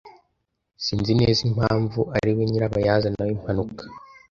Sinzi neza impamvu ari we nyirabayazana w'impanuka.